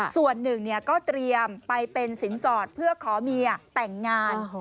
ส่วนหนึ่งก็เตรียมไปเป็นสินสอดเพื่อขอเมียแต่งงาน